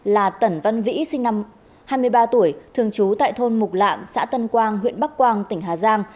là tẩn văn vĩ sinh năm hai mươi ba tuổi thường trú tại thôn mục lạng xã tân quang huyện bắc quang tỉnh hà giang